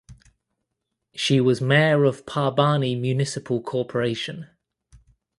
She was Mayor of Parbhani Municipal Corporation.